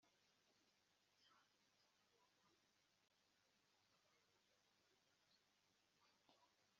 aho yumvaga ko yatubonera ahantu handi heza